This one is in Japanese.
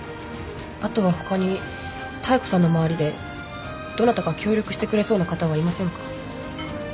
あとは他に妙子さんの周りでどなたか協力してくれそうな方はいませんか？